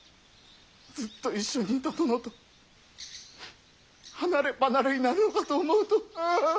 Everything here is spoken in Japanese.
ずっと一緒にいた殿と離れ離れになるのかと思うとうう。